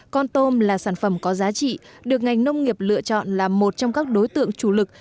con tôm là sản phẩm có giá trị được ngành nông nghiệp lựa chọn là một trong các đối tượng chủ lực